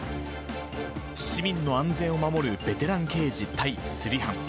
市民の安全を守るベテラン刑事対すり犯。